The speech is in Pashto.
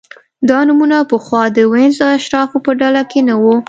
دا نومونه پخوا د وینز د اشرافو په ډله کې نه وو